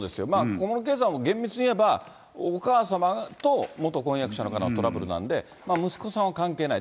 小室圭さんも、厳密に言えば、お母様と元婚約者の方のトラブルなんで、息子さんは関係ない。